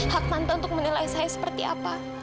hak manta untuk menilai saya seperti apa